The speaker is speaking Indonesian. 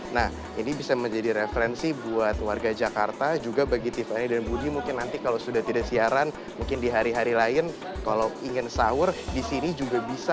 nah ini bisa menjadi referensi buat warga jakarta juga bagi tiffany dan budi mungkin nanti kalau sudah tidak siaran mungkin di hari hari lain kalau ingin sahur di sini juga bisa